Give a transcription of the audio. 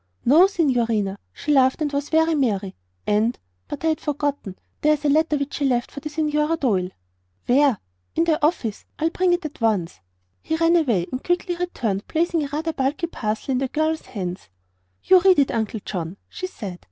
"No, signorina. She laughed and was very merry. And but I had forgotten! There is a letter which she left for the Signorina D'Oyle." "Where?" "In the office. I will bring it at once." He ran away and quickly returned, placing a rather bulky parcel in the girl's hands. "You read it, Uncle John," she said.